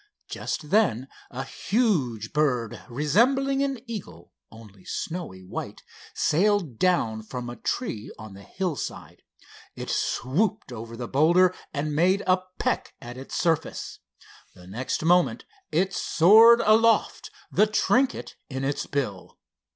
Just then a huge bird resembling an eagle, only snowy white, sailed down from a tree on the hillside. It swooped over the boulder and made a peck at its surface. The next moment it soared aloft, the trinket in its bill.